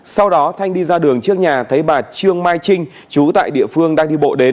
sau đó thanh đi ra đường trước nhà thấy bà trương mai trinh chú tại địa phương đang đi bộ đến